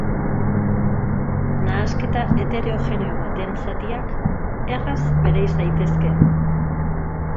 Nahasketa heterogeneo baten zatiak erraz bereiz daitezke.